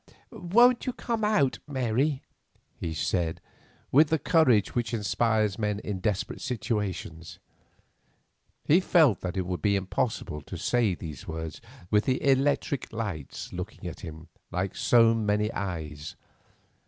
"Won't you come out, Mary?" he said, with the courage which inspires men in desperate situations. He felt that it would be impossible to say those words with the electric lights looking at him like so many eyes.